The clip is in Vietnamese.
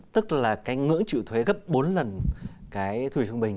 tức là cái ngưỡng chịu thuế gấp bốn lần cái thu nhập trung bình